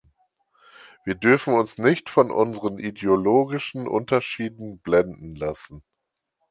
Wir dürfen uns nicht von unseren ideologischen Unterschieden blenden lassen.